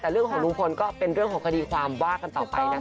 แต่เรื่องของลุงพลก็เป็นเรื่องของคดีความว่ากันต่อไปนะคะ